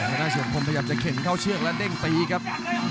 พันหาชมพมพยายามเขินเข้าเชือกและเด้งตีครับ